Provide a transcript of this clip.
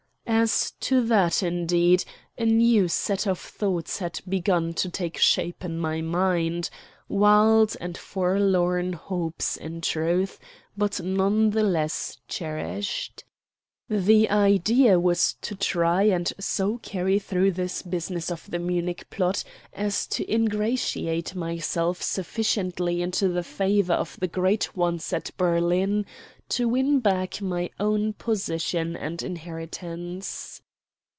As to that, indeed, a new set of thoughts had begun to take shape in my mind wild and forlorn hopes, in truth, but none the less cherished. The idea was to try and so carry through this business of the Munich plot as to ingratiate myself sufficiently into the favor of the great ones at Berlin to win back my own position and inheritance.